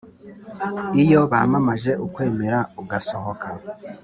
iyo bamamaje ukwemera ugasohoka